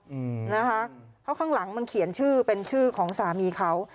อืมนะคะเพราะข้างหลังมันเขียนชื่อเป็นชื่อของสามีเขา